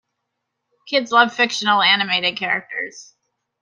Kids love fictional animated characters.